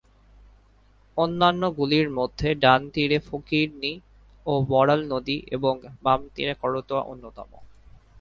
অন্যান্যগুলির মধ্যে ডান তীরে ফকিরনী ও বড়াল নদী এবং বাম তীরে করতোয়া অন্যতম।